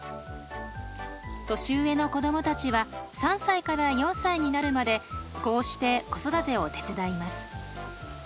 年上の子どもたちは３歳から４歳になるまでこうして子育てを手伝います。